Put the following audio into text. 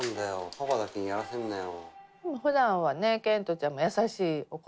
パパだけにやらせんなよ。